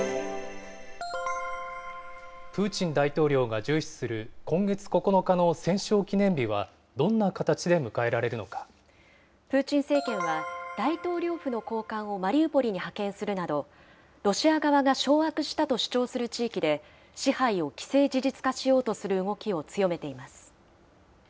プーチン大統領が重視する今月９日の戦勝記念日は、プーチン政権は、大統領府の高官をマリウポリに派遣するなど、ロシア側が掌握したと主張する地域で支配を既成事実化しようとする動きを強めています。